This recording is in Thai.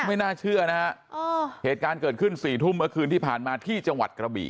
ไม่น่าเชื่อนะฮะเหตุการณ์เกิดขึ้น๔ทุ่มเมื่อคืนที่ผ่านมาที่จังหวัดกระบี่